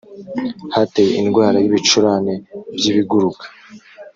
Hateye indwara y’ibicurane by’ibiguruka